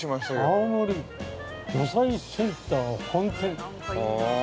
◆青森魚菜センター本店。